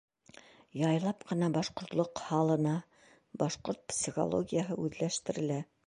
Яйлап ҡына башҡортлоҡ һалына, башҡорт психологияһы үҙләштерелә.